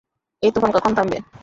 এই তুফান কখন থামবে?